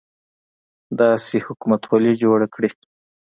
داسې حکومتولي جوړه کړي.